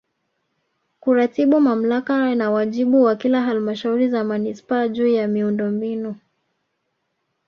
Kuratibu Mamlaka na wajibu wa kila Halmashauri za Manispaa juu ya miundombinu